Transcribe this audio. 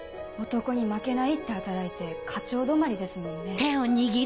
男に負けないって働いて課長止まりですもんね。